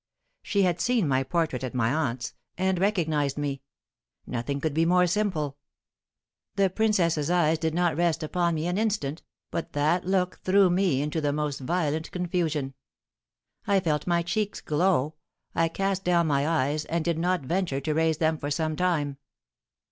She had seen my portrait at my aunt's, and recognised me; nothing could be more simple. The princess's eyes did not rest upon me an instant, but that look threw me into the most violent confusion. I felt my cheeks glow, I cast down my eyes, and did not venture to raise them for some time.